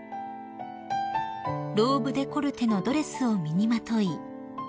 ［ローブデコルテのドレスを身にまとい